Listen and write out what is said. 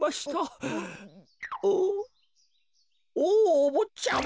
おぉおぼっちゃま！